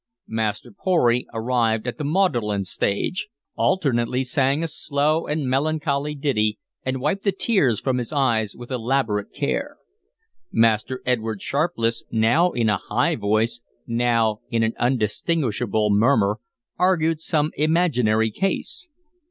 Master Pory, arrived at the maudlin stage, alternately sang a slow and melancholy ditty and wiped the tears from his eyes with elaborate care. Master Edward Sharpless, now in a high voice, now in an undistinguishable murmur, argued some imaginary case.